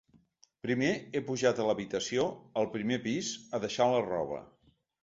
Primer, he pujat a l’habitació, al primer pis, a deixar la roba.